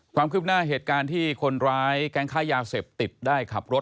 ความคืบหน้าเหตุการณ์ที่คนร้ายแก๊งค้ายาเสพติดได้ขับรถ